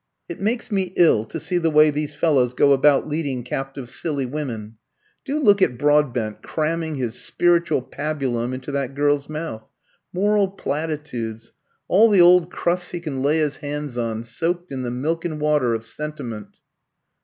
"It makes me ill to see the way these fellows go about leading captive silly women. Do look at Broadbent cramming his spiritual pabulum into that girl's mouth. Moral platitudes all the old crusts he can lay his hands on, soaked in the milk and water of sentiment."